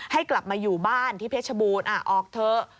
ให้กลับมาอยู่บ้านที่เพชรบูรณ์ออกเถอะ